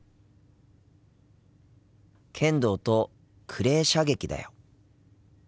剣道とクレー射撃だよ。